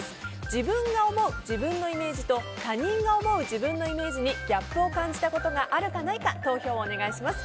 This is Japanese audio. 自分が思う自分のイメージと他人が思う自分のイメージにギャップを感じたことがあるかないか投票をお願いします。